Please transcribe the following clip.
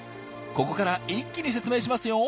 ここから一気に説明しますよ。